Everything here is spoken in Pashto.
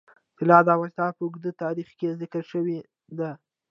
طلا د افغانستان په اوږده تاریخ کې ذکر شوی دی.